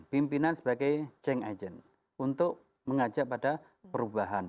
pimpinan sebagai chang agent untuk mengajak pada perubahan